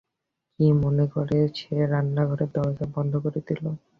কি মনে করে সে রান্নাঘরের দরজা বন্ধ করে দিল।